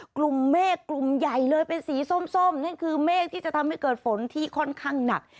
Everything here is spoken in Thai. กลุ่มเมฆกลุ่มใหญ่เลยเป็นสีส้มนั่นคือเมฆที่จะทำให้เกิดฝนที่ค่อนข้างหนัก